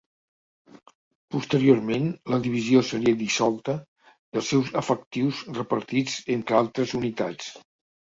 Posteriorment, la divisió seria dissolta i els seus efectius repartits entre altres unitats.